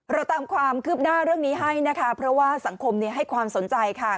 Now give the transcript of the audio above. เราตามความคืบหน้าเรื่องนี้ให้นะคะเพราะว่าสังคมให้ความสนใจค่ะ